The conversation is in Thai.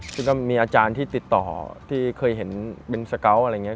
ซึ่งก็มีอาจารย์ที่ติดต่อที่เคยเห็นเป็นสเกาะอะไรอย่างนี้